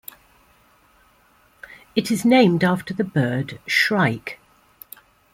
It is named after the bird shrike.